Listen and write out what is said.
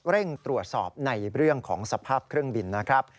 เร่งตรวจสอบในเรื่องของสภาพเครื่องบินนะครับ